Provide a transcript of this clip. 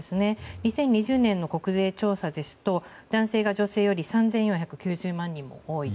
２０２０年の国勢調査ですと男性が女性より３４９０万人も多いと。